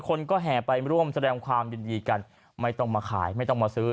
คนก็แห่ไปร่วมแสดงความยินดีกันไม่ต้องมาขายไม่ต้องมาซื้อ